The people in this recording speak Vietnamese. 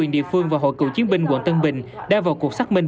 để không có tái diễn